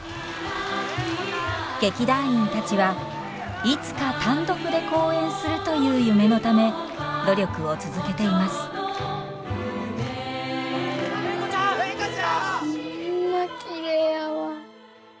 劇団員たちはいつか単独で公演するという夢のため努力を続けています礼子ちゃん！礼子ちゃん！ホンマきれいやわ。